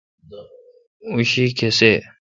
اوں شی کیسے°